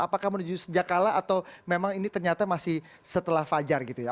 apakah menuju sejak kala atau memang ini ternyata masih setelah fajar gitu ya